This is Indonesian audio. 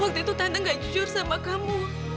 waktu itu tanda gak jujur sama kamu